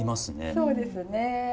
そうですね。